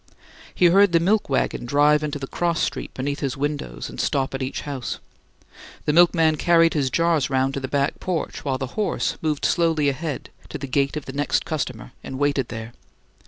He heard the milk wagon drive into the cross street beneath his windows and stop at each house. The milkman carried his jars round to the "back porch," while the horse moved slowly ahead to the gate of the next customer and waited there.